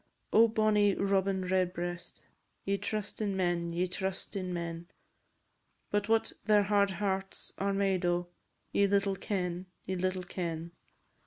Oh! bonny Robin Redbreast, Ye trust in men, ye trust in men, But what their hard hearts are made o', Ye little ken, ye little ken.